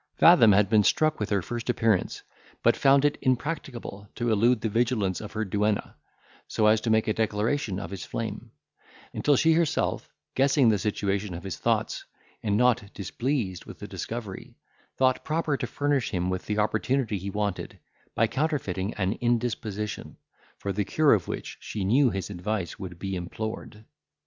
Fathom had been struck with her first appearance; but found it impracticable to elude the vigilance of her duenna, so as to make a declaration of his flame; until she herself, guessing the situation of his thoughts, and not displeased with the discovery, thought proper to furnish him with the opportunity he wanted, by counterfeiting an indisposition, for the cure of which she knew his advice would be implored.